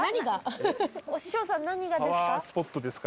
推し匠さん何がですか？